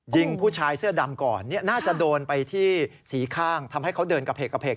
ผู้ชายเสื้อดำก่อนน่าจะโดนไปที่สีข้างทำให้เขาเดินกระเพกกระเพก